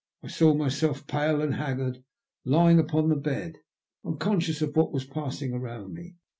I saw myself, pale and haggard, lying upon the bed, unconscious of what was passing around me.